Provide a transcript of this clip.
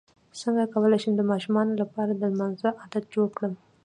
څنګه کولی شم د ماشومانو لپاره د لمانځه عادت جوړ کړم